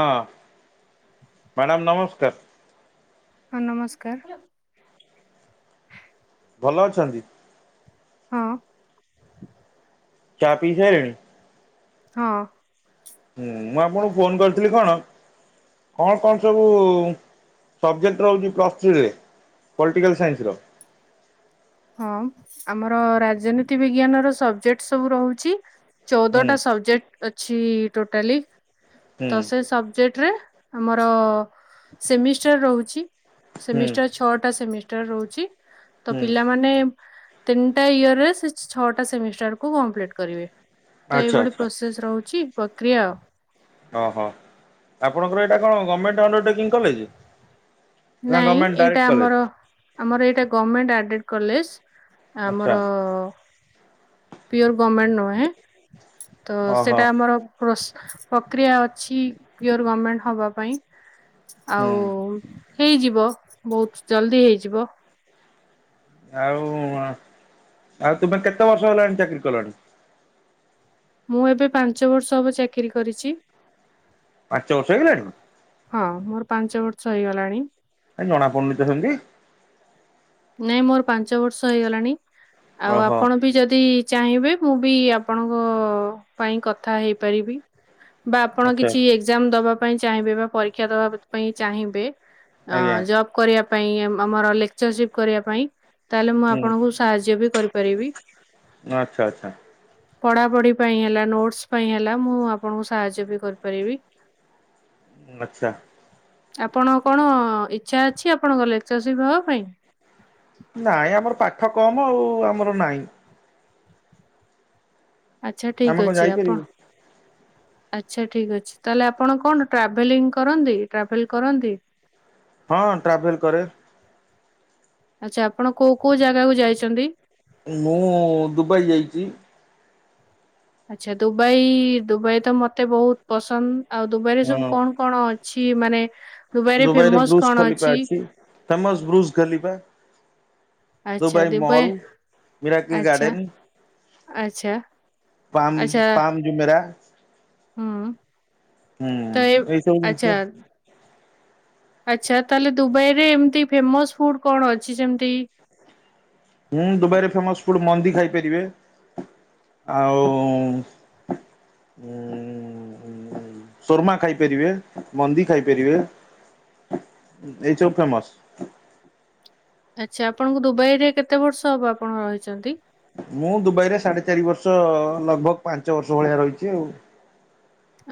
ହଁ ମ୍ୟାଡ଼ାମ ନମସ୍କାର। ହଁ ନମସ୍କାର। ଭଲ ଅଛନ୍ତି। ହଁ। ଚାା ପିସ ହେଲେଣି ହଁ ହ ମୁଁ ଆପଣଙ୍କୁ ଫୋନ କରିଥିଲି କଣ କଣ କଣ ସବୁ ସବଜେକ୍ଟ ରହୁଛି ପ୍ଲସ୍ ଥ୍ରୀରେ ପଲିଟିକାଲ ସାଇନ୍ସର ହଁ ଆମର ରାଜନୀତି ବିଜ୍ଞାନର ସବଜେକ୍ଟ ସବୁ ରହୁଛି ହୁଁ ଚଉଦଟା ସବଜେକ୍ଟ ଅଛି ଅଟାଲିିକ ହୁଁ ତ ସେ ସବଜେକ୍ଟ ରେ ଆମର ସେମିଷ୍ଟାର ରହୁଛି ହୁଁ ସେମିଷ୍ଟର ଛଅଟା ସେମିଷ୍ଟର ରହୁଛି ତ ହୁଁ ପିଲାମାନେ ତିନିଟା ଇୟର ରେ ଛଅଟାମିଷ୍ଟାର କ କମ୍ପ୍ଟ କରିବେ ତ ଆଚ୍ଛା ଏଇଭଳି ଆଚ୍ଛା ପ୍ରୋସେସ ରହୁଛି। ପକ୍ରିୟା ଓ ହଁ ଆପଣଙ୍କର ଏଇଟା କଣ ଗଭର୍ଣ୍ଣମେଣ୍ଟ ଅଣ୍ଡରଟେକିଂ କଲେଜ ନା ନାଇଁ ଗଭର୍ଣ୍ଣମେଣ୍ଟ ଡାଇରେକ୍ଟ ଏଇଟା କଲେଜ ଆମର ଆମର ଏଇଟା ଗଭମେଣ୍ଟ ଆଡେଡ କଲେଜ ଆଚ୍ଛା ଆମର ପିର ଗଭର୍ଣମେଣ୍ଟ ନୁହହେଁ ତ ଓହୋ ସେଇଟା ଆମର ପ୍ରକ୍ରିୟା ଅଛି ପିଓର ଗଭର୍ମେଣ୍ଟ ହବା ପାଇଁ ହୁଁ ଆଉ ହେଇଯିବ ବହୁତ ଜଲଦି ହେଇଯିବ। ଆଉ ଆଉ ତୁମେ କେତେ ବର୍ଷ ହେଲାଣି ଚାକିରି କଲଣି ମୁଁ ଏବେ ପାଞ୍ଚ ବର୍ଷ ହବ ଚାକିରିୀ କରିଛି। ପାଞ୍ଚ ବର୍ଷ ହେଇଗଲାଣି। ହଁ ମୋର ପାଞ୍ଚ ବର୍ଷ ହେଇଗଲାଣି। ଆ ଜଣା ପଡନୁ ତଛନ୍ତିଛନ୍ତି। ନାଇଁ ମୋର ପାଞ୍ଚ ବର୍ଷ ହେଇଗଲାଣି। ଆଉ ଓହୋ ଆପଣ ବି ଯଦି ଚାହିଁବେ ମୁଁ ବି ଆପଣଙ୍କ ପାଇଁ କଥା ହେଇପାରିବି ବା ଆପଣ ଆଚ୍ଛା କିଛି ଆଚ୍ଛା ଏଜାମ ଦବା ପାଇଁ ଚାହିଁବେ ବା ପରୀକ୍ଷା ଦେବା ପାଇଁ ଚାହିଁବେ ଅ ଆଜ୍ଞା ଜବ୍ କରିବା ପାଇଁ ଆମର ଲେକ୍ଚର କରିବା ପାଇଁ ତାହଲେ ମୁଁ ହୁଁ ଆପଣଙ୍କୁ ସାହାଯ୍ୟ ବି କରିପାରିବି। ଆଚ୍ଛା ଆଚ୍ଛା ପଢାପଢି ପାଇଁ ହେଲା ନୋଟସ ପାଇଁ ହେଲା ମୁଁ ଆପଣଙ୍କୁ ସାହାଯ୍ୟ ବି କରିପାରିବି। ହ ଆଛା ଆପଣଙ୍କ କଣ ଇଚଛା ଅଛି ଆପଣଙ୍କ ଲେକ୍ଚରସିପ ହବା ପାଇଁ ନାଇଁ ଆମର ପାଠ କମ ଆଉ ଆମର ନହିଁ। ଆଛା ଆମେ ଠିକ କଣ ଅଛି ଯାଇପାରିବୁ। ଆପଣ ଆଚ୍ଛା ଠିକ ଅଛି ତାହେଲେ ଆପଣ କଣ ଟ୍ରାଭେଲିଂ କରନ୍ତି ଟ୍ରାଭେଲ କରନ୍ତି। ହଁ ଟ୍ରାଭେଲ କରରେ ଆଚ୍ଛା ଆପଣ କୋଉ କୋଉ ଜାଗାକୁ ଯାଇଛନ୍ତି। ମୁଁ ଦୁବାଇ ଯାଇଛି। ଆଚଛା ଦୁବାଇ ଦୁବାଇ ତ ମତେ ବହୁତ ପସନ୍ଦ ଆଉ ଦୁବାଇ ରେ ସବୁ କଣ କଣ ଅଛି। କି ମାନେ ଦୁବାଇରେ ବ୍ରୁଜ୍ ଖଲିଫା ଅଛି, ତମସ ବ୍ରୁଜ୍ ଖଲିଫା। ଦୁବାଇ ମହଲ୍, ମୀରାକି ଆଚ୍ଛା ଗାର୍ଡେନ୍। ଆଚ୍ଛା। ପାାମ ପାାମ ଯୁମେରା। ହଁ। ହୁଁ ଏଇ ସବୁ ଜିନିଷ। ଆଚ୍ଛା ତାହେଲେ ଦୁବାଇ ରେ ଏମିତି ଫେମସ୍ ଫୁଡ୍ କଣ ଅଛି? ସେମତି ହୁଁ ଦୁବାଇରେ ଫେମସ୍ ଫୁଡ଼୍ ମନ୍ଦି ଖାଇପାରିବେ, ଆଉ ଉଁ, ଉଁ ଶୋର୍ମା ଖାଇପାରିବେ, ମନ୍ଦି ଖାଇପାରିବେ ଏଇ ସବୁ ଫେମସ୍। ଆଚ୍ଛା ଆପଣଙ୍କୁ ଦୁବାଇ ରେ କେତେ ବର୍ଷ ହବ ଆପଣ ରହିଚନ୍ତି? ମୁଁ ଦୁବାଇରେ ସାଢେ ଚାରି ବର୍ଷ ଲଗଭଗ୍ ପାଞ୍ଚ ବର୍ଷ ଭଳିଆ ରହିଚି ଆଉ।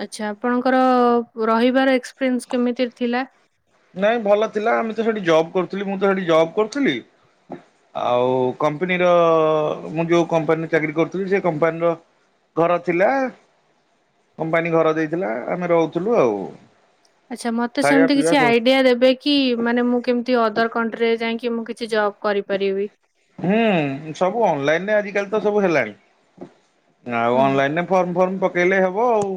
ଆଚ୍ଛା ଆପଣଙ୍କର ରହିବାର ଏକ୍ସପିରିଏନ୍ସ କେମିତି ଥିଲା? ନାଇଁ ଭଲ ଥିଲା ଆମେ ତ ସେଠି ଜବ୍ କରୁଥୂଲୁ, ମୁଁ ତ ସେଠି ଜବ୍ କରୁଥୁଲି, ଆଉ କମ୍ପନୀର ମୁଁ ଯୋଉ କମ୍ପାନୀର ଚାକିରି କରୁଥୁଲି ସେ କମ୍ପାନୀର ଘର ଥିଲା, କମ୍ପାନୀ ଘର ଦେଇଥିଲା ଆମେ ରହୁଥୁଲୁ ଆଉ। ଆଚ୍ଛା ମୋତେ ଖାଇବା ସେମତି ପିଇବା କିଛି ସବୁ ଆଇ ଡିଆ ଦେବେକି ମାନେ ମୁଁ କେମତି ଅଦର୍ କଣ୍ଟ୍ରିରେ ଯାଇଁ କି ମୁଁ କିଛି ଜବ୍ କରିପାରିବି ହଁ ସବୁ ଅନଲାଇନ୍ ରେ ଆଜିକାଲି ତ ସବୁ ହେଲାଣି। ଆଉ ହୁଁ ଅନଲାଇନ୍ ରେ ଫର୍ମ ଫର୍ମ ପ ଦେଲେ ହେବ ଆଉ।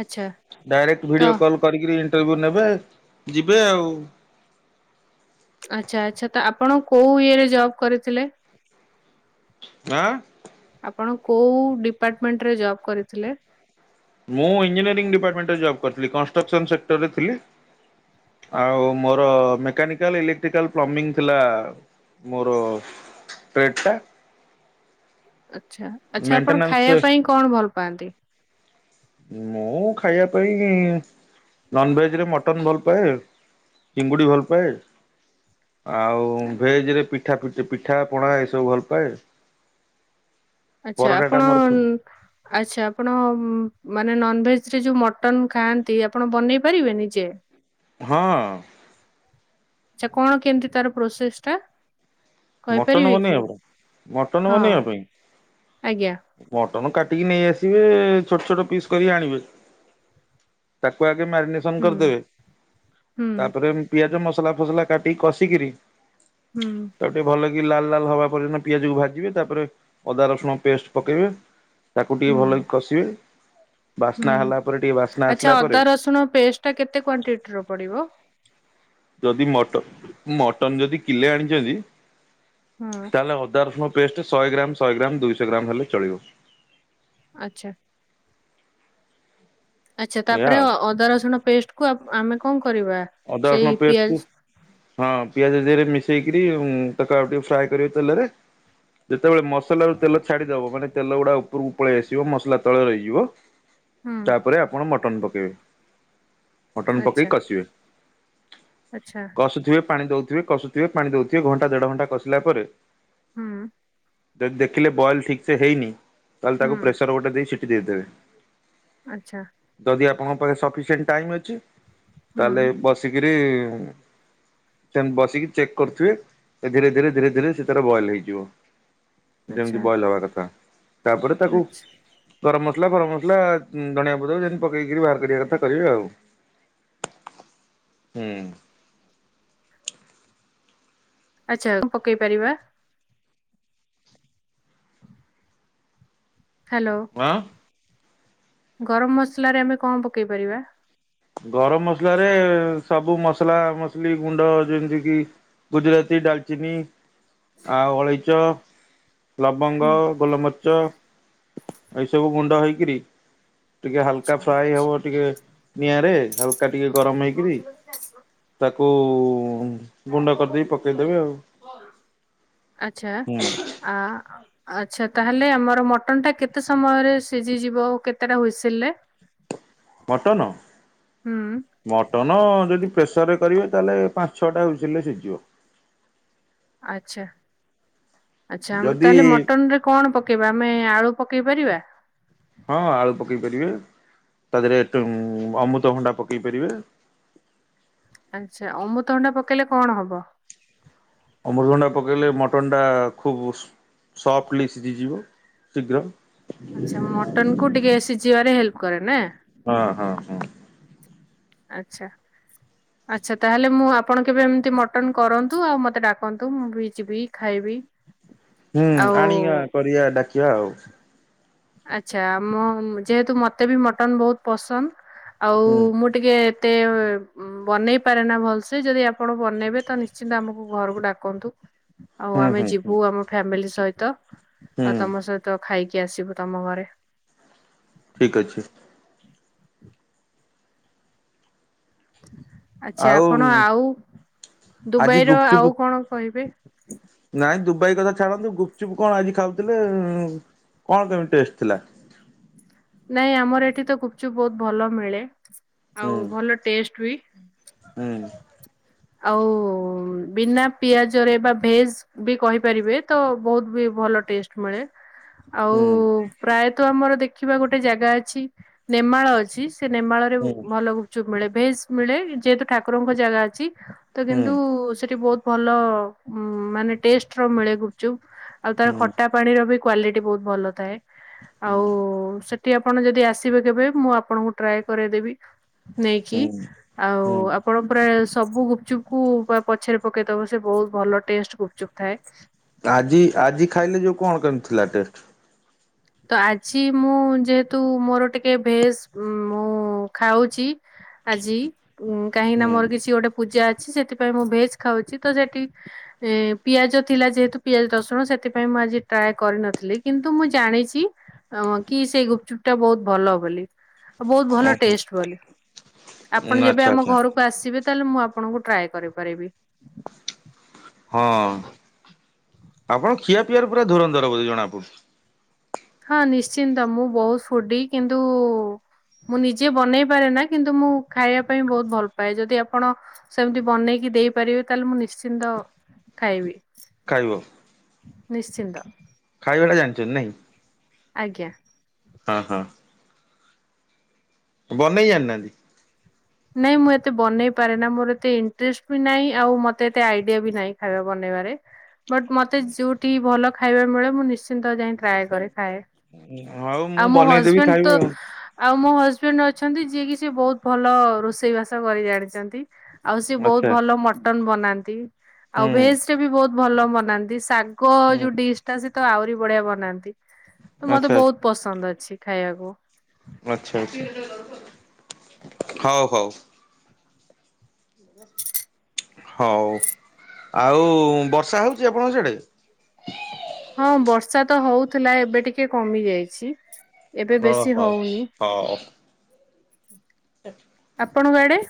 ଆଚ୍ଛା ଡାଇରେକ୍ଟ ତ ଭିଡିଓ କଲ୍ କରିକିରି ତାକୁ ନେବେ, ଯିବେ ଆଉ। ଆଚ୍ଛା ଆଚ୍ଛା ତ ଆପଣ କୋଉ ଇଏରେ ଜବ୍ କରିଥିଲେ? ଆଁ? ଆପଣ କୋଉ ଡିପାର୍ଟମେଣ୍ଟରେ ଜବ୍ କରିଥିଲେ? ମୁଁ ଇଞ୍ଜିନିୟରିଂ ଡିପାର୍ଟମେଣ୍ଟରେ ଜବ୍ କରିଥିଲି, କନଷ୍ଟ୍ରକ୍ସନ୍ ସେକ୍ଟରରେ ଥିଲି, ଆଉ ମୋର ମେକାନିକାଲ୍ ଇଲେକ୍ଟ୍ରିକାଲ୍ ପ୍ଲମ୍ବିଂ ଥିଲା ମୋର ଟ୍ରେଡ଼ଟା। ଆଚ୍ଛା ଆଚ୍ଛା ଆପଣ ଖାଇବା ପାଇଁ କଣ ଭଲ ପାଆନ୍ତି? ମୁଁ ଖାଇବା ପାଇଁ ନନଭେଜ୍ ରେ ମଟନ୍ ଭଲ ପାଏ, ଚିଙ୍ଗୁଡ଼ି ଭଲ ପାଏ। ଆଉ ଭେଜ୍ ରେ ପି ପିଠା ପିଠି ପିଠା ପଣା ଏସବୁ ଭଲ ପାଏ। ଆଚ୍ଛା ପରଟା ଟା ଆପଣ ମୋର ଉଁ, ଆଚ୍ଛା ଆପଣ ଉଁ, ଉଁ ମାନେ ନନଭେଜ୍ ରେ ଯୋଉ ମଟନ୍ ଖାଆନ୍ତି ଆପଣ ବନେଇ ପାରିବେ ନିଜେ? ହଁ। ଆଚ୍ଛା କଣ କେମିତି ତାର ପ୍ରୋସେସ୍ ଟା? ମଟନ୍ କହିପାରିବେ କି? ବନେଇବା କୁ, ମଟନ୍ ହଁ ବନେଇବା ଆଜ୍ଞା ପାଇଁ ଟନ କାଟିକି ନେଇ ଆସିବେ ଛୋଟ ଛୋଟ ପିସ୍ କରିକି ଆଣିବେ, ତାକୁ ଆ ଟିକେ ମାରିନେସନ ହୁଁ କରିଦେବେ ହୁଁ ତାପରେ ପିଆଜ ମସ ମସଲା ଫସଲା କାଟିକିରି ହୁଁ ତାକୁ ଟିକେ ଭଲକି ଲାଲ ଲାଲ୍ ହେବା ପର୍ଯ୍ୟନ୍ତ ପିଆଜକୁ ଭାଜିବେ ତାପରେ ଅଦା ରସୁଣ ପେଷ୍ଟ ପକେଇବେ ତାକୁ ଟିକେ ହୁଁ ଭଲକି କଷିବେ ବାସ୍ନା ହୁଁ ହେଲା ପରେ ଟିକେ ବାସ୍ନା ଆସିଲା ଆଚ୍ଛା ପରେ ଅଦା ରସୁଣ ପେଷ୍ଟ ଟା କେତେ କ୍ଵାଣ୍ଟିଟିର ପଡିବ ଯଦି ମଟ ମଟନ ଯଦି କିଲେ ଆଣିଛନ୍ତି। ହଁ ତାହେଲେ ଅଦା ରସୁଣ ପେଷ୍ଟ ଶହେ ଗ୍ରାମ ଶହେ ଗ୍ରାମ ଦୁଇ ଶହ ଗ୍ରାମ ହେଲେ ଚଳିବ ଆଛା ଆଚ୍ଛା ଏଇଆ ତାପରେ ଆଉ ଅଦା ରସୁଣ ପେଷ୍ଟ କୁଆ ଆମେ କଣ? କରିବା? ଅଦା ସେଇ ରସୁଣ ପେଷ୍ଟ ପିଆଜ କୁ ହଁ ପିଆଜ ଦେହେରେ ମିଶେ ଦେଇକିରି ତାକୁ ଆଉ ଟିକେ ଫ୍ରାଏ କରିବା ତେଲରେ ଯେତେବେଳେ ମସ ମସଲା ରେ ତେଲ ଛାଡ଼ିଦବ ମାନେ ତେଲ ଗୁଡା ଉପରକୁ ପଳେଇ ଆସିବ ମସଲା ତଳେ ରହିଯିବ। ହୁଁ ତାପରେ ଆପଣ ମଟ ମଟନ ପକେଇବେ ମଟନ ଆଚ୍ଛା ପକେଇ କଷିବେ ଆଚ୍ଛା କଷୁଥିବେ ପାଣି ଦଉ ଥିବେ କଷୁଥିବେ ପାଣି ଦଉଥିବେ ଘଣ୍ଟା ଦେଢ ଘଣ୍ଟା କଷିଲା ପରେ ହୁଁ ଦେଖିଲେ ବଏଲ ଠିକ ସେ ହେଇନି ତାହେଲେ ତାକୁ ପ୍ରେସର ଗୋଟେ ଦେଇ ସିଟି ଦେଇ ଦେବେ ଆଛା ଆପଣଙ୍କ ପାଖ ସିସିାଇ ଅଛି। ହୁଁ ତାହଲେ ବସିକି ଚେକ୍ କରୁଥିବେ ଧୀରେ ଧୀରେ ଧୀରେ ଧୀରେ ସୋର ବଏଲ ହେଇଯିବ। ଯେମିତି ଆଚ୍ଛା ବଏଲ ହବା କଥା ତାପରେ ତାକୁ ଆଚ୍ଛା ଗରମ ମସଲା ଗରମ ମସଲା ଧଣିଆ ପଦ ଯେମିତି ପକେଇକରି ବାହାର କରିବା କଥା କରିବେ ଆଉ ହୁଁ ଆଚ୍ଛା ପକେଇ ପାରିବା ହ୍ୟାଲୋ ଆଁ ଗରମ ମସଲ ରେ ଆମେ କଣ ପକେଇ ପାରିବା। ଗରମ ମସଲାରେ ସବୁ ମସଲା ମସଲି ଗୁଣ୍ଡ ଯେମିତିକି ଗୁଜୁରାତି, ଡାଲଚିନି, ଆଉ ଅଳେଇଚ ଲବଙ୍ଗ ଗୋଲମ ଚ [inaudible] ଏଇସବୁ ଗୁଣ୍ଡ ହେଇକିରି ଟିକେ ହାଲକା ଫ୍ରାଏ ହବ ଟିକେ ନିଆଁ ରେ ହାଲକା ଟିକେ ଗରମ ହେଇକିରି [inaudible] ତାକୁ ଓ ଗୁଣ୍ଡ କରିଦେଇକି ପକେଇ ଦେବେ। [inaudible] ଆଛା ଆ ଆଚ୍ଛା ତାହେଲେ ଆମର ମଟନ ଟା କେତେ ସମୟରେ ସିଝିଯିବ କେତେଟା ହୁଇସିଲରେ। ମଟନ [inaudible] ମଟନ ଯଦି ପ୍ରେସରରେ କରିବେ ତାହେଲେ ପାଞ୍ଚ ଛଅଟା ହୁଇସିଲରେ ସିଝିଯିବ। [inaudible] ଆଚ୍ଛା। [inaudible] ଆଚ୍ଛା ଯଦି ତାହେଲେ ମଟନ ରେ କଣ ପକେଇବା ଆମେ ଆଳୁ ପକେଇ ପାରିବା। ହଁ ଆଳୁ ପକେଇ ପାରିବେ ତା ଦେହରେ ଅମୃତଭଣ୍ଡା ପକେଇ ପାରିବେ। [inaudible] ଆଚ୍ଛା ଅମୁତଭଣ୍ଡା ପକେଇଲେ କଣ ହବ। [inaudible] ଅମୃଭଣ୍ଡା ପକେଇଲେ ମଟନଟା ଖୁବ୍ ସଫ୍ଟଲି ସିଝିଯିବ ଶୀଘ୍ର। ଆଚ୍ଛା ମଟନ କୁ ଟିକେ ସିଯିବାରେ ହେଲ୍ କରେ ନା ହଁ ହଁ ହଁ। ଆଛା [inaudible] ଆଚ୍ଛା ତାହେଲେ ମୁଁ ଆପଣ କେବେ ଏମିତି ମଟନ କରନ୍ତୁ। ଆଉ ମତେ ଡାକନ୍ତୁ ମୁଁ ବି ଯିବି ଖାଇବି। ହୁଁ ଆଣିବା ଆଉ କରିବା ଡାକି ଯାହାହଉ ଆଚ୍ଛା ଆମ ଯେହେତୁ ମୋତେ ବି ମଟନ ବହୁତ ପସନ୍ଦ। ଆଉ ହୁଁ ମୁଁ ଟିକେ ଏତେ ବନେଇ ପାରେନା ଭଲସେ, ଯଦି ଆପଣ ବନେଇବେ ତ ନିଶ୍ଚିନ୍ତ ଆମକୁ ଘରକୁ ଡାକନ୍ତୁ। ଆଉ ହୁଁ ଆମେ ହୁଁ ହୁଁ ଯିବୁ ଆମ ଫ୍ୟାମିଲି ସହି ତ ଆଉ ହୁଁ ତମ ସହିତ ଖାଇ କିଏ ଆସିବ। ତମ ଘରେ। [inaudible] ଠିକ ଅଛି। ଆଚ୍ଛା ଆଉ ଆପଣ ଆଉ [inaudible] ଆଜି ଦୁବାଇର ଆଉ ଗୁପଚୁପ୍ କଣ କହିବେ। [inaudible] ନାଇଁ ଦୁବାଇ କଥା ଛାଡନ୍ତୁ ଗୁପଚୁପ୍ କଣ ଆଜି ଖାଉଥିଲେ। କଣ କେମିତି ଟେଷ୍ଟ ଥିଲା। [inaudible] ନାଇଁ ଆମର ଏଠି ତ ଗୁପଚୁପ୍ ବହୁତ ଭଲ ମିଳେ। ଆଉ ହୁଁ ଭଲ ଟେଷ୍ଟ ବି। ହୁଁ ଆଉ ବିନା ପିଆଜରେ ବା ଭେଜ ବି କହିପାରିବେ ତ ବହୁତ ବି ଭଲ ଟେଷ୍ଟ ମିଳେ ଆଉ ହୁଁ ପ୍ରାୟତଃ ଆମର ଦେଖ ଦେଖିବା ଗୋଟେ ଜାଗା ଅଛି ନେମାଳ ଅଛି। ସେ ନେମାଳରେ ହୁଁ ଭଲ ଗୁପଚୁପ ମିଳେ। ଭେେଶ ମିଳେ ଯେହେତୁ ଠାକୁରଙ୍କ ଜାଗା ଅଛି ତ ହୁଁ କିନ୍ତୁ ସେଠି ବହୁତ ଭଲ ମାନେ ଟେଷ୍ଟର ମିଳେ କରୁଛୁ ଆଉ ତାର ହୁଁ ଖଟା ପାଣିର ବି କ୍ୱଵାଲିଟି ବହୁତ ଭଲ ଥାଏ ହୁଁ ଆଉ ସେ ଆପଣ ଯଦି ଆସିବେ କେବେ ମୁଁ ଆପଣଙ୍କୁ ଟ୍ରାଏ କରାଇଦେବି। ନେଇକି ହୁଁ ଆଉ ହୁଁ ଆପଣ ପୁର ସବୁ ଗୁପଚୁପ କୁ ପଛରେ ପକେଇଦବ ସେ ବହୁତ ଭଲ ଟେଷ୍ଟ ଗୁପଚୁପ୍ ଥାଏ ଆଜି ଆଜି ଖାଇଲେ ଯୋଉ କଣ କରିଥିଲା ଟେଷ୍ଟ ତ ଆଜି ମୁଁ ଯେହେତୁ ମୋର ଟିକେ ଭେଜ ମୁଁ ଖାଉଛି ଆଜି ଉ କାହିଁକି ନା ହୁଁ ମୋର କିଛି ଗୋଟେ ପୂଜା ଅଛି ସେଥିପାଇଁ ମୁଁ ଭେଜ ଖାଉଛି ତ ସେଠି ପିଆଜ ଥିଲା ଯେହେତୁ ପିଆଜ ରସୁଣ ସେଥିପାଇଁ ମୁଁ ଆଜି ଟ୍ରାଏ କରିନଥିଲି କିନ୍ତୁ ମୁଁ ଜାଣିଛି କି ସେଇ ଗୁପଚୁପ ଟା ବହୁତ ଭଲ ବୋଲି ଆ ବହୁତ ଭଲ ଓହୋ ଟେଷ୍ଟ ବୋଲି ଆପଣ ଯେବେ ଆଚ୍ଛା ଆମ ଆଚ୍ଛା ଘରକୁ ଆସିବେ ତାହେଲେ ମୁଁ ଆପଣଙ୍କୁ ଟ୍ରାଏ କରିପାରିବି ହଁ ଆପଣ ଖିଆ ପିଇବାର ପୁରା ଧରଧର ବୋ ଜଣା ପଡ଼ୁ ହଁ ନିଶ୍ଚିନ୍ତ ମୁଁ ବହୁତ ଫୁଡି କିନ୍ତୁ ମୁଁ ନିଜେ ବନେଇ ପାରେ ନା କିନ୍ତୁ ମୁଁ ଖାଇବା ପାଇଁ ବହୁତ ଭଲ ପାଏ ଯଦି ଆପଣ ସେମିତି ବନେଇକି ଦେଇପାରିବେ ତାହେଲେ ମୁଁ ନିଶ୍ଚିନ୍ତ ଖାଇବି ଖାଇବ ନିଶ୍ଚିନ୍ତ କ ଭଳି ଜାଣିଛନ୍ତି ନାଇଁ ଆଜ୍ଞା ହଁ ହଁ ବହଣ ଏନାନ୍ତି ନାଇଁ ମୁଁ ଏତେ ବନେଇ ପାରେ ନା ମୋର ଏତେ ଇଣ୍ଟରେଷ୍ଟ ବି ନାହିଁ ଆଉ ମତେ ଏତେ ଆଇଡିଆ ବି ନାହିଁ ଖାଇବା ବନେଇବାରେ ବଟ୍ ମତେ ଯୋଉଠି ଭଲ ଖାଇବା ମିଳେ ମୁଁ ନିଶ୍ଚିନ୍ତ ଯାଇ ଟ୍ରାଏ କରେ ଖାଏ ହଉ ମୁଁ ଆଉ ମୋ ବନେଇଦେବି ହଜବେଣ୍ଡ ଖାଇବେ ତ ଆଉ ଆଉ ମୋ ହ ଷ୍ଟେଣ୍ଟ ଅଛନ୍ତି ଯିଏକି ସିଏ ବହୁତ ଭଲ ରୋଷେଇ ବାସ କରି ଜାଣିଛନ୍ତି ଆଉ ସିଏ ବହୁତ ଆଚ୍ଛା ଭଲ ମଟନ ବନାନ୍ତି ନ୍ତି ଆଉ ହୁଁ ଭେଜ ଟା ବି ବହୁତ ଭଲ ମନାନ୍ତି ଶାଗ ହୁଁ ଯୋଉ ଡି ଟା ସେ ତ ଆହୁରି ବଢିଆ ବନାନ୍ତି। ତ ମତେ ଆଚ୍ଛା ବହୁତ ପସନ୍ଦ ଅଛି। ଖାଇକୁୁ ଆଛା ଆଛା ହଉ ହଉ। ହଉ ଆଉ ବର୍ଷା ହଉଛି ଆପଣଙ୍କ ସେଠେ ହଁ ବର୍ଷା ତ ହଉଥିଲା ଏବେ ଟିକେ କମି ଯାଇଛି। ଏବେ ବେଶୀ ଓହୋ ହଉନି ହ ତଚ ଆପଣ କଡେ